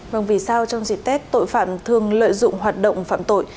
vâng vì sao trong dịp tết tội phạm thường lợi dụng hoạt động phạm tội